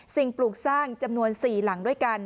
ปลูกสร้างจำนวน๔หลังด้วยกัน